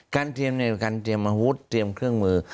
การเตรียมนี่ก็คือการเตรียมอาวุธเตรียมเครื่องมือ